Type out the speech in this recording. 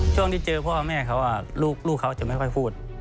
ช่วงที่เจอพ่อแม่เขาลูกเขาจะไม่ค่อยพูด